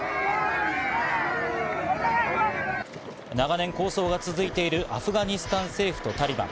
長年、抗争が続いているアフガニスタン政府とタリバン。